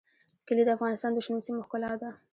کلي د افغانستان د شنو سیمو ښکلا ده.